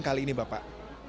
tahun kali ini bapak